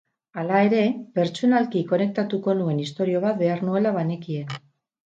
Hala ere, pertsonalki konektatuko nuen istorio bat behar nuela banekien.